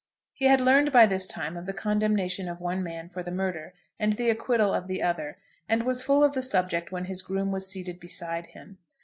He had learned by this time of the condemnation of one man for the murder, and the acquittal of the other, and was full of the subject when his groom was seated beside him.